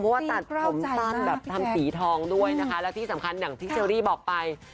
เพราะว่าตัดผมสั้นแบบทำสีทองด้วยนะคะและที่สำคัญอย่างที่เชอรี่บอกไป